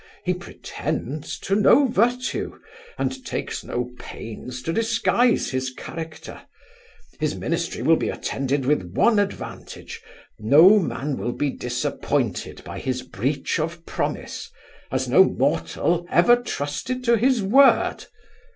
He pretends to no virtue, and takes no pains to disguise his character His ministry will be attended with one advantage, no man will be disappointed by his breach of promise, as no mortal ever trusted to his word.